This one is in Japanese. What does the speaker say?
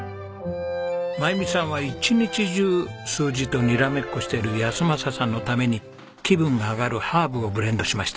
真由美さんは一日中数字とにらめっこしている安正さんのために気分が上がるハーブをブレンドしました。